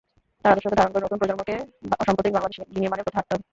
তাঁর আদর্শকে ধারণ করে নতুন প্রজন্মকে অসাম্প্রদায়িক বাংলাদেশ বিনির্মাণের পথে হাঁটতে হবে।